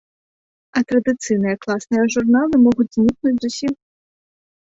А традыцыйныя класныя журналы могуць знікнуць зусім.